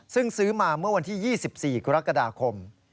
ซึ่งซื้อมาเมื่อวันที่๒๔กรกฎาคม